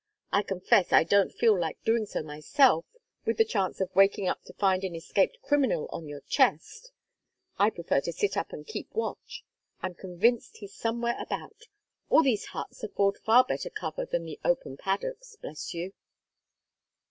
I confess I don't feel like doing so myself with the chance of waking up to find an escaped criminal on your chest. I prefer to sit up and keep watch. I'm convinced he's somewhere about; all these huts afford far better cover than the open paddocks, bless you!